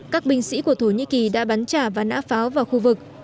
các binh sĩ của thổ nhĩ kỳ đã bắn trả và nã pháo vào khu vực